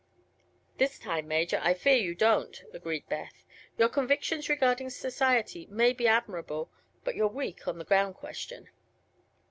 "This time, Major, I fear you don't," agreed Beth. "Your convictions regarding society may be admirable, but you're weak on the gown question."